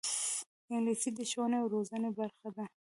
انګلیسي د ښوونې او روزنې برخه ده